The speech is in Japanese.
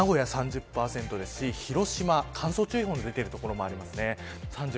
名古屋３０％ですし広島、乾燥注意報、出ている所もありますね。